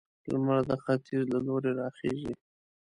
لمر د ختيځ له لوري راخيژي